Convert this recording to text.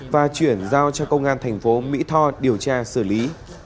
và chuyển giao cho công an thành phố mỹ tho điều tra xử lý